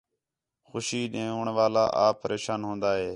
خُوشی ݙیوݨ والا آپ پریشان ہون٘دا ہے